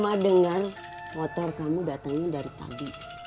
mama dengar motor kamu datangnya dari tadi